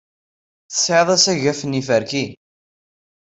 Tesɛiḍ asafag n yiferki.